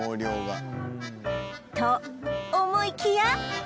と思いきや